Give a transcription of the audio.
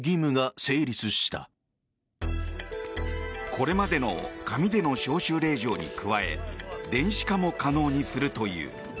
これまでの紙での招集令状に加え電子化も可能にするという。